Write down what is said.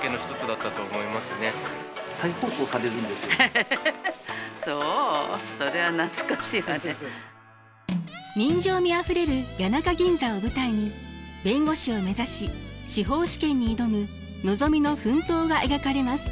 エヘヘそう人情味あふれる谷中銀座を舞台に弁護士を目指し司法試験に挑むのぞみの奮闘が描かれます。